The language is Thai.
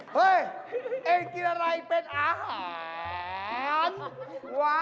เฮ้ยเองกินอะไรเป็นอาหาร